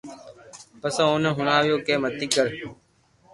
پسي اوني ھڻاويو ڪي متي ڪر